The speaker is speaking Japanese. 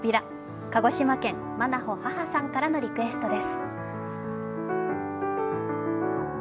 鹿児島県、まなほ母さんからのリクエストです。